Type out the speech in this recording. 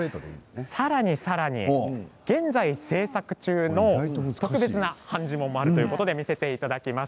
さらに現在、制作中の特別な判じもんもあるということで見せていただきます。